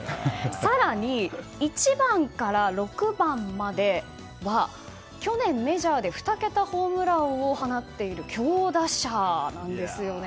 更に、１番から６番までは去年メジャーで２桁ホームランを放っている強打者なんですよね。